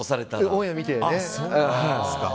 オンエア見てね。